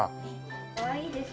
かわいいでしょ？